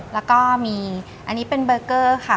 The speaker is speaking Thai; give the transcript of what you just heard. แล้วก็มีอันนี้เป็นเบอร์เกอร์ค่ะ